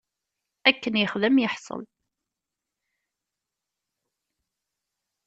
Akken yexdem yeḥṣel.